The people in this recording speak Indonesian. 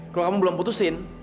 kalau kamu belum putusin